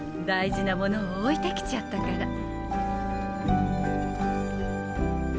大事なものを置いてきちゃったから。